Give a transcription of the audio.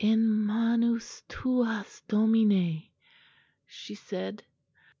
"'In manus tuas, Domine,' she said."